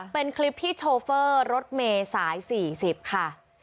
เป็นคลิปที่โชเฟอร์รถเมย์สาย๔๐ค่ะ